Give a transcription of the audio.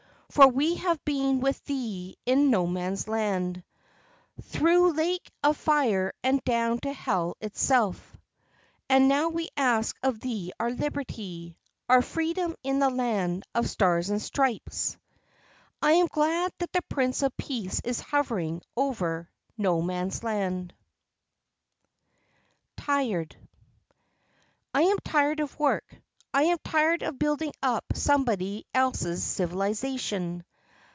For we have been with thee in No Man's Land, Through lake of fire and down to Hell itself; And now we ask of thee our liberty, Our freedom in the land of Stars and Stripes. I am glad that the Prince of Peace is hovering over No Man's Land. TIRED I am tired of work; I am tired of building up somebody else's civilization.